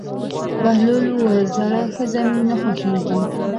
بهلول وویل: زړه ښځه مې نه خوښېږي.